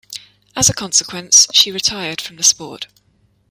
As a consequence she retired from the sport.